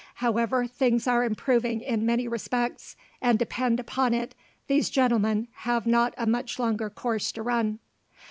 However, things are improving in many respects, and depend upon it these gentlemen have not a much longer course to run."